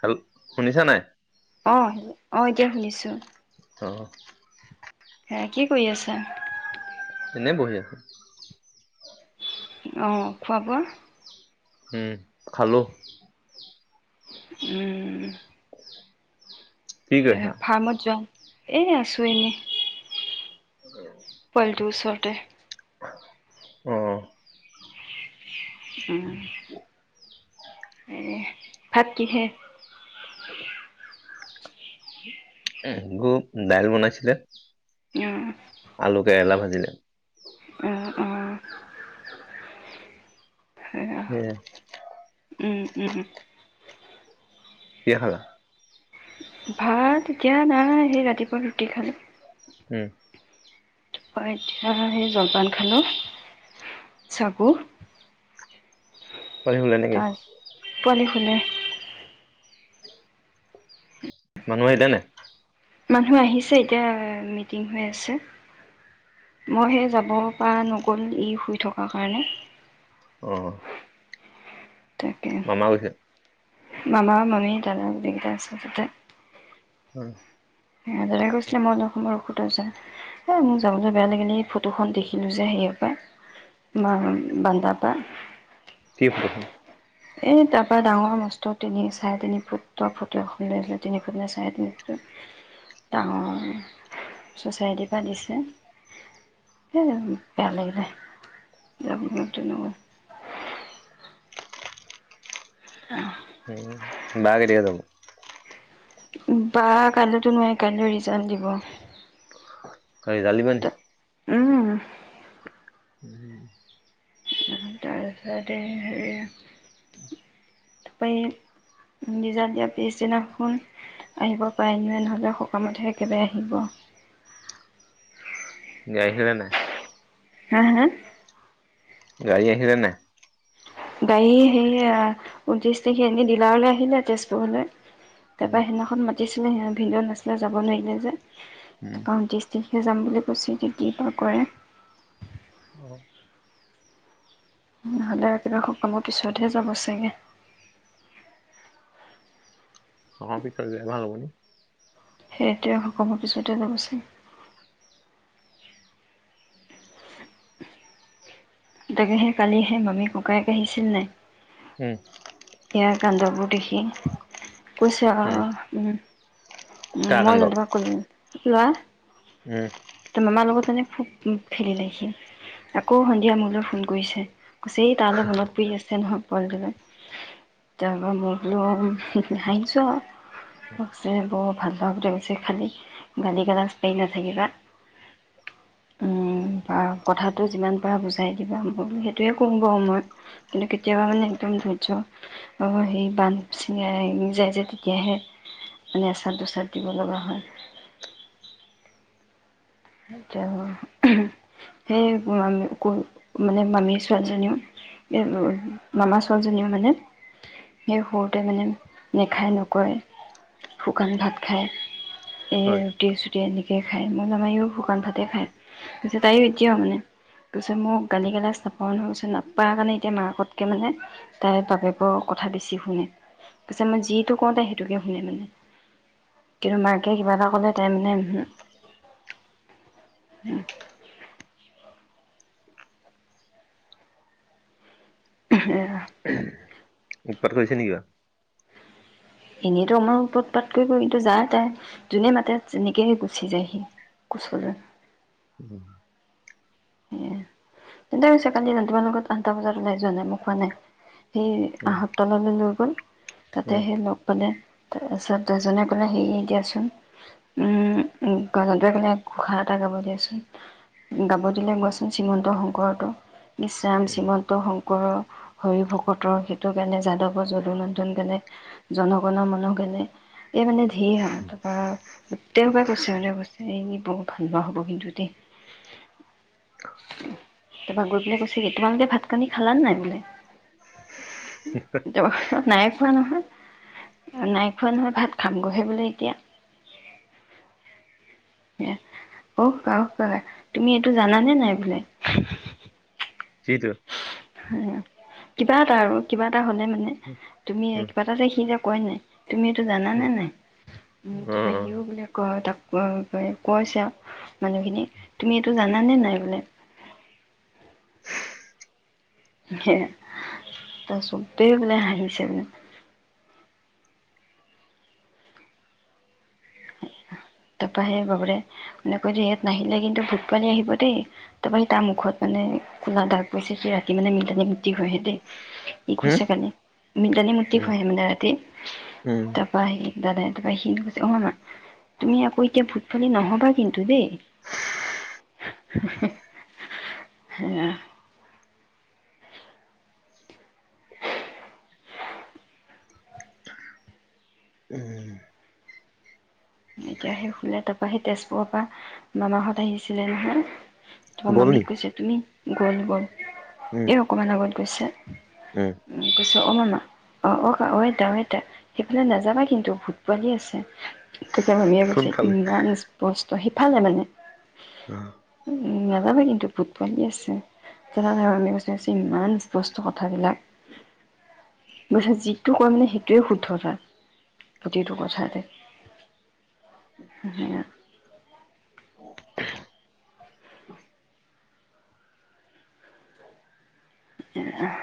Hello শুনিছা নাই? অ', অ', এতিয়া শুনিছো। অ'। হে কি কৰি আছা? এনেই বহি আছোঁ। অ', খোৱা বোৱা? উম, খালোঁ। উম। কি এ কৰিছা ফাৰ্মত যাওঁ। এ আছো এনেই। [unintelligible] পোৱালিটোৰ ওচৰতে। অ'। উম। এ ভাত কিহে? [unintelligible] দাইল বনাইছিলে অ', আলু, কেৰেলা ভাজি [unintelligible] অ', অ'। সেয়া [unintelligible] উম, উম। কিহে খালা? ভাত এতিয়া নাই সেই ৰাতিপুৱা ৰুটি খালো উম! অ' এতিয়া সেই জলপান খালো চাগু পোৱালি শুলে নে কি? পোৱালী শুলে মানুহ আহিলে নাই? মানুহ আহিছে এতিয়া মিটিং হৈ আছে, মই সেই যাব পৰা নগ'ল ই শুই থকা কাৰণে। অ' [unintelligible] মামা-মামী [unintelligible] হয়। [unintelligible] এ, মোৰ যাবলে বেয়া লাগিলে এই ফটোখন দেখিলোঁ যে, হেৰি পা বা-বান্দাৰ পা কি ফটোখন? এই তাৰ পৰা ডাঙৰ মস্ত তিনি চাৰে তিনি ফুটৰ ফটো এখন দিলে তিনি ফুট নে চাৰে তিনি ফুট ডাঙৰ চচাইটিৰ পা দিছে সেই বেয়া লাগিলে যাবলে তেনেকোৱাত অ' উম বাক দিয়া যাব বা কাইলেটো নোৱাৰে কাইলৈ ৰিজাল্ট দিব। হয়। ৰিজাল্ট দিব নি উম! উম হম। তাৰপিছতে হেৰি, তপৰি ৰিজাল দিয়া পিছদিনাখন আহিব পাৰিব ন নহ'লে সকামতহে একেবাৰে আহিব। [unintelligible] নাই? হা, হা গাড়ী আহিলে নে গাড়ী সেয়া ঊনত্ৰিশ তাৰিখে এনে ডিলাৰলৈ আহিলে তেজপুৰলৈ। তাপা উম সেইদিনাখন মাতিচ [unintelligible] ভিনদেউ নাছিলে যাব নোৱাৰিলে যে উম [unintelligible] অ যাম বুলি কৈছে, এতিয়া কি বা কৰে। অ'। নহ'লে একেবাৰে সকামৰ পিছতহে যাব চাগে। [unintelligible] সেইটোৱে সকামৰ পিছতে যাব চাগে [unintelligible] তাকেহে কালিহে মামী ককায়েক আহিছিল নে হুম' এয়াৰ কাণ্ডবোৰ দেখি কৈছে উম আৰু উম। উম, কাৰ মই কাণ্ড জানোঁ তোমাক [unintelligible] লোৱা। উম এতিয়া মামাৰ লগত মানে খুব উম, খেলিলে সি, আকৌ সন্ধিয়া মোলৈ ফোন কৰিছে। আছেই, তাৰলৈ মনত পৰি আছে নহয়। [unintelligible] তাৰ পৰা মই বোলো অ', হাহিছো অ'। আছে ব ভাল পাওতে বেছি খালী গালি গালাজ দি নাথাকিবা। উম' আৰু কথাটো যিমান পাৰা বুজাই দিবা, মই সেইটোৱে কম গৈ মই। কিন্তু কেতিয়াবা মানে একদম ধৈৰ্য্য অ', হেৰি বান্ধ গুচি যায় যে তেতিয়াহে স্বাদু স্বাদ দিব লগা হয়। সেইটোৱে উহুম' সেই মামে-মা মানে মামী ছোৱালীজনীও, এই মামাৰ ছোৱালীজনীও মানে, সেই সৰুতে মানে, নেখায় নকয় শুকান ভাত খায়। এ হয় ৰুটি এনেকে খায়। মই আমা শুকান ভাতে খায়। পিছে তাই এতিয়াও মানে, পিছে মোক গালি গালাজ নাপাও নহয় পিছত নাপাৰ কাৰণে এতিয়া মাকতকে মানে তাইৰ বাপেকৰ কথা বেছি শুনে। পিছে মই যিটো কওঁ তাই সেইটোকে শুনে মানে। কিন্তু মাকে কিবা এটা ক'লে তাই মানে হম্ ' উহহ' একবাৰ কৈছে নেকি কা এনেইতো আমাৰ ওপৰত উত-পাত কৰি গৈ তো যায়। তাই জোনে মাতে যেনেকে গুচি যায় সি কোচলৈ। উম এ', তেন্তে কৈছে কালি ৰাতিপুৱাৰ লগত আঠটা বজাত ওলাই যোৱা নাই মোক কোৱা নাই। সেই আহত তললৈ লৈ গ'ল। তাতে উম সে লগ পানে। তাৰ পাছত দুজনে ক'লে হেৰি দিয়াচোন, উম গনটোয়ে ক'লে ঘোষা এটা গাব দিয়াচোন, গাব দিলে মই চোন চীমন্ত শংকৰটো, ইছৰাম উম শ্ৰীমন্ত শংকৰ হৰি ভকতৰ, সেইটো কেনে, যাদৱৰ যদু নন্দন, কেনে জনগণৰ মন কেনে, এই মানে ঢে আউ তাপা, গোটটে সোপাই কৈছে আউ কৈছে এ বহুত ভালপোৱা হ'ব কিন্তু দেই। [unintelligible] [inaudible] তাপা গৈ পেলায় কৈছে কি তোমালোকে ভাত কানি খালান নাই বোলে? [unintelligible] নাই খোৱা নহয়, নাই খোৱা নহয় ভাত খাম গ'হে বোলে এতিয়া। অওকা, অওকা তুমি এইটো জানানে নাই বোলে? [inaudible] যিটো হেয়া। কিবা এটা আৰু কিবা পা হ'লে মানে, তুমি উম কিবা এটা যে সি যে কয় নাই? তুমি এইটো জানানে উম, নাই? উম তাপা সিও বুলি কয় তাক কোৱা পাই কৈছ আউ, মানুহখিনি, তুমি এইটো জানানে নাই বোলে? হেহ [inaudible] ত চবেই বোলে হাৰিছে মোক [inaudible] [inaudible] তাপা সহে বাবুৰে, মানে কৈ যে ইয়াত নাহিলে কিন্তু ভূত পোৱালী আহিব দেই, তাপা সি তা মুখত মানে কোলা দাগ পইছে সি ৰাতি মানে মিলতানী উম, উম, [unintelligible] দাদাই তাপা সি কৈছে অ' মা তুমি আকৌ এতিয়া ভূত পোৱালী নহ'বা কিন্তু দেই, হুহ [inaudible] হেয়া। [inaudible] উম। এতিয়া সি শুলে ত তাপা সেই তেজপুৰ পা মামাহঁত আহিছিলে নহয়। তোমা গ'ল নি? মামীক কৈছে তুমি গ'ল, গ'ল। [inaudible] এ অকমান আগত। পৈছে উমম। অ' মামা, অ'অকা অ' আইতা- অ'আইতা, সেইফালে নেযাবা কিন্তু ভূত পোৱালি আছে। তাকে ভাবিয়ে চোন [unintelligible] খালে। ইমান স্পষ্ট ত' সিফালে মানে? অ'। উ নেযাবি কিন্তু ভূত পোৱালী আছে, [unintelligible] কৈছে ইমান স্পষ্ট কথাবিলাক। [inaudible] বুইচনে যিটো কয় মানে সেটোৱে শুদ্ধ তাৰ, পতিটো কথাতে। [inaudible] হেয়া [inaudible] [unintelligible] এৰাহ।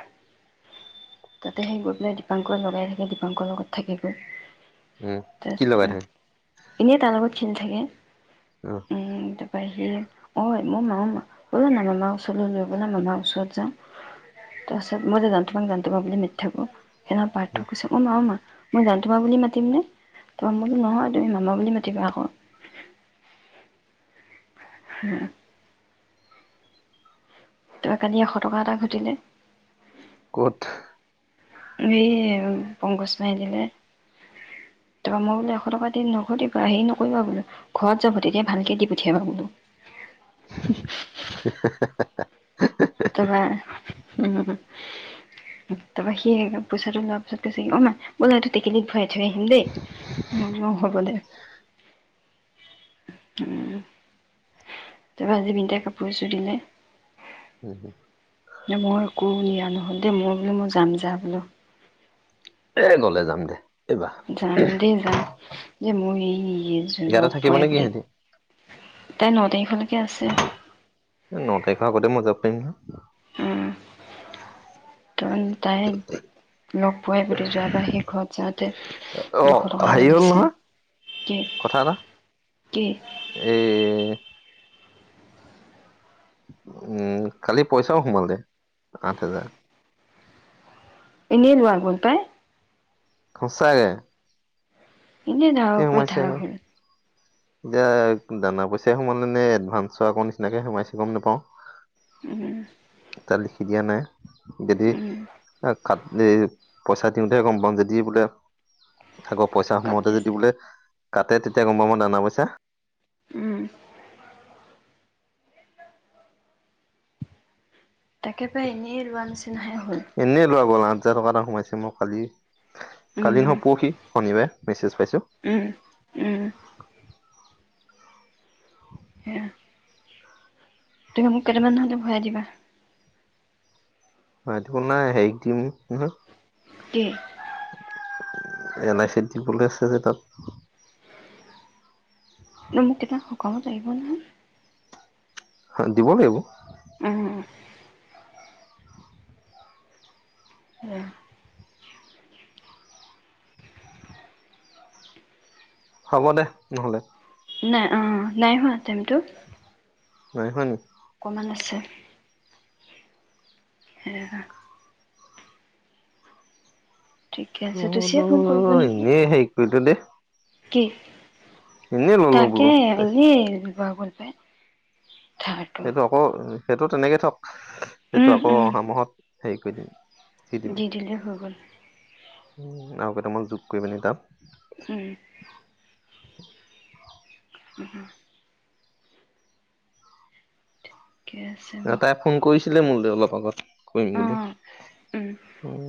তাতে সেই গৈ পেলাই দীপাংকই লগাই থাকে দীপাংক লগত থাকে গৈ। উম, কি লগাই থাকে? এনেই তাৰ লগত খেলি থাকে। অহ। তাৰপা সি ঐ অ' মা অ' মা ব'লা না মামা ওচৰলৈ লৈ ব'লা, মামাৰ ওচৰত যাওঁ। তাৰপাছত মই যে [unintelligible] [unintelligible] মেট থাকো সেইদিনা উম, পাৰ্থই কৈছে অ' মা অ' মা। মই যান তোমাক বুলি মাতিম নে? মই বোলো নহয় তুমি মামা বুলি মাতিবা আকৌ। হো। তই কালি এশ টকা এটা ঘটিলে। ক'ত? এ পংকজভাই দিলে। তাৰপৰা মই বোলো এশ টকা দিম নঘটিবা হেৰি নকৰিবা বোলো, ঘৰত যাব তেতিয়া ভালকে দি পঠিয়াবা বোলো। হে-হে-হে তাৰ পৰা উম। তাৰপৰা সি পইচাটো লোৱাৰ পিছত কৈছেহি অ' মা ব'লা এইটো টেকেলিত ভৰাই থৈ আহিম দেই। মই বোলো হব দে। উম। তাৰ পৰা আজি বিনীতাই কাপোৰ এযোৰ দিলে। উম, উম, ন মই একো নিয়া নাই। হক দে, মই বোলো মই যাম যা বোলো। এ গ'লে যাম দে। এইবাৰ। যাম দেই যাম। যে মই এই ইয়াতে লগ থাকিব পোৱাই নে কি প্ৰতি সিহঁতি? তাই ন তাৰিখলৈকে আছে। এ ন তাৰিখৰ আগতেই মই যাব পাৰিম নহয়? উম। ত তাই লগ পোৱাই প্ৰতি যোৱাবাৰ সেই ঘৰত যাওঁতে অ', দুশ টকা এটা হেৰি হ'ল দিছে। নহয় কি কথা এটা, কি এই উম কালি পইচাও সোমাল দে, আঠ হাজাৰ। এনেই লোৱা গ'ল পাই। সঁচায়ে? এনে ধাৰৰ উপৰি ধাৰ হ'ল। এতিয়া দানা পইচাই সোমালে নে এডভান্সৰ আকৌ নিচিনাকে সোমাইছে গম নোপাওঁ। উম তাত লিখি দিয়া নাই? গেধি অই খাদ এই পইচা দিওঁতেহে গম পাওঁ যদি বোলে আাকৌ পইচা সোমাওঁতে যদি কাটিছে কাটে তেতিয়া গ'ম পাব নানাম কৈছা উম তাকে পাই এনেই ৰোৱা নিচিনাহে হ'ল। এনেই লোৱা গ'ল আঠ হাজাৰ টকা এটা সোমাইছে মোৰ কালি। কালি উম নহয় পৰসি, শনিবাৰে মেছেজ পাইছো। উম উম [unintelligible] তুমি মোক কেইটামান নহলে ভৰাই দিবা [unintelligible] নাই হেৰিক দিম নহয় কি এল আই চিত দিবলে আছে যে তাত মোক কেটামান সকামত লাগিব নহয় হা দিব লাগিব উম উম হ'ব দে নহ'লে নাই অ নাইহোৱা টাইমটো নাই হোৱা নি? অকমান আছে। [unintelligible] ঠিকে আছে তুচিয়ে ফোন কৰিব [unintelligible] নেকি এনেই হেৰি কৰিলো দেই কি? এনেই ললো তাকে বোলো এনেই দুবাৰ কৰিলোঁ। লে সেইটো আকৌ সেইটো তেনেকেই থক সেইটো উম আকৌ উম অহা মাহত হেৰি কৰি দিম। দি দিলে হৈ গ'ল। আমাক যোগ কৰি পেনি তাত উম। [inaudible] উম! ঠিকে আছে বাৰু তাই ফোন কৰি ছিলে মোলে অলপ আগত কৰিম অ বুলি উম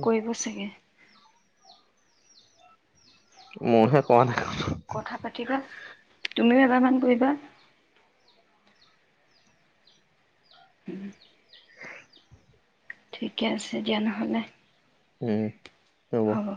কৰিব চাগে মইহে কৰা নাই। কথা পাতিবা, তুমিও এবাৰমান কৰিবা। উম। ঠিকে আছে দিয়া নহ'লে। উম। হ'ব।